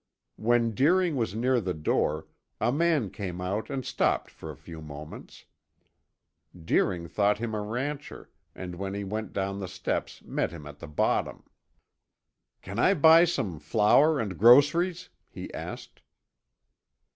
When Deering was near the door, a man came out and stopped for a few moments. Deering thought him a rancher and when he went down the steps met him at the bottom. "Can I buy some flour and groceries?" he asked.